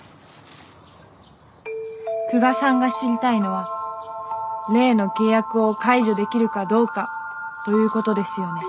久我さんが知りたいのは例の契約を解除できるかどうかということですよね。